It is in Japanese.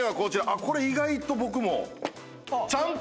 これ意外と僕も。